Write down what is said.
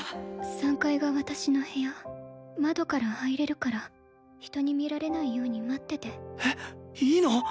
３階が私の部屋窓から入れるから人に見られないように待っててえっいいの？